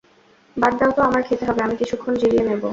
বাদ দাও তো, আমার খেতে হবে, আমি কিছুক্ষণ জিরিয়ে নেব।